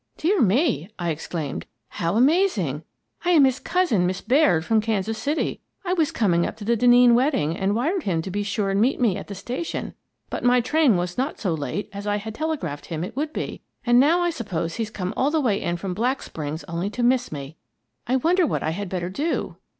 "Dear me!" I exclaimed "How amazing! I am his cousin, Miss Baird, from Kansas City. I was coming up to the Denneen wedding and wired him to be sure and meet me at the station, but my train was not so late as I had telegraphed him it would be, and now I suppose he's come all the way in from Black Springs only to miss me. I wonder what I had better do?"